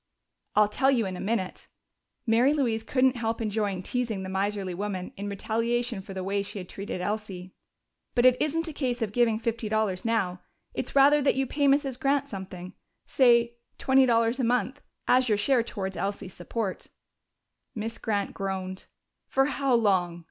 "I'll tell you in a minute." Mary Louise couldn't help enjoying teasing the miserly woman in retaliation for the way she had treated Elsie. "But it isn't a case of giving fifty dollars now. It's rather that you pay Mrs. Grant something say twenty dollars a month as your share towards Elsie's support." Miss Grant groaned. "For how long?"